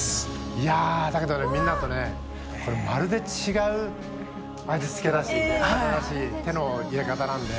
いやだけどみんなとねこれまるで違う味付けだし新しい手の入れ方なんで。